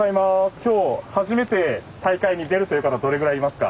今日初めて大会に出るという方どれぐらいいますか？